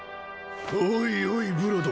おいおいブロド